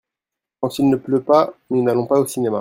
Quand il ne pleut pas nous n'allons pas au cinéma.